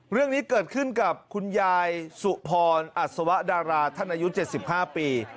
เรื่องนี้เกิดขึ้นกับคุณยายสุพรอัศวะดาราท่านอายุ๗๕ปี